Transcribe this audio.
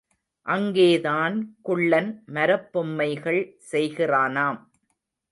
அங்கேதான் குள்ளன் மரப்பொம்மைகள், செய்கிறானாம்.